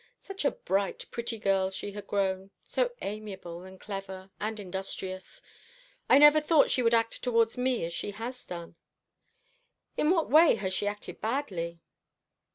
Such a bright, pretty girl she had grown so amiable, and clever, and industrious. I never thought she would act towards me as she has done." "In what way has she acted badly?"